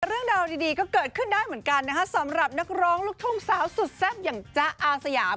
เรื่องราวดีก็เกิดขึ้นได้เหมือนกันนะคะสำหรับนักร้องลูกทุ่งสาวสุดแซ่บอย่างจ๊ะอาสยาม